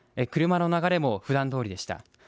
車の流れもふだんどおりでした。